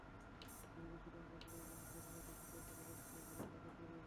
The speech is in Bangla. দীর্ঘ সুড়ঙ্গ খুঁড়ে ব্যাংকের মেঝে ফুটো করে বস্তা ভরে টাকা চুরি।